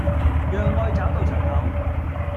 讓愛找到出口